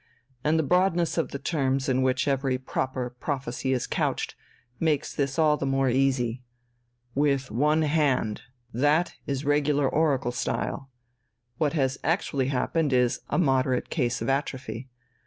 And the broadness of the terms in which every proper prophecy is couched makes this all the more easy. 'With one hand' that is regular oracle style. What has actually happened is a moderate case of atrophy.